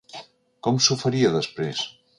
Com s’ho faria després?